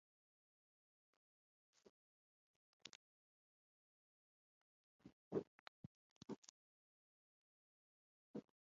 Irainen kontrakoa izan zen beti, egoera larrietan ere bai.